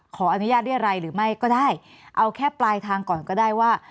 ขออนุญาตเรียรัยหรือไม่ก็ได้เอาแค่ปลายทางก่อนก็ได้ว่า